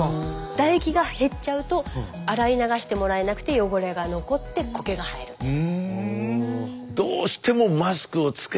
唾液が減っちゃうと洗い流してもらえなくて汚れが残って苔が生えるんです。